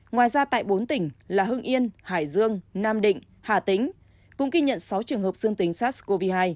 ngoài ra tại bốn tỉnh là hương yên hải dương nam định hà tĩnh cũng ghi nhận sáu trường hợp dương tính sars cov hai